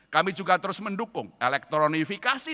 kami juga terus mendukung elektronifikasi